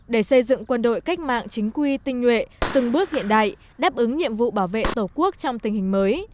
để xây dựng quân đội cách mạng chính quy tinh nhuệ từng bước hiện đại đáp ứng nhiệm vụ bảo vệ tổ quốc trong tình hình mới